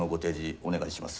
お願いします。